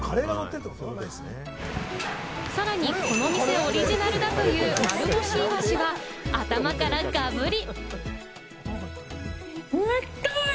さらにこの店オリジナルだという、丸干しイワシは、頭からガブリ！